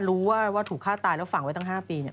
รู้ว่าถูกฆ่าตายแล้วฝังไว้ตั้ง๕ปีเนี่ย